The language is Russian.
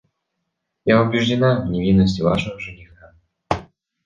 Я убеждена в невинности вашего жениха.